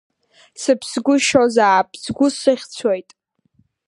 Сыԥсгәышьозаап сгәы сыхьцәоит.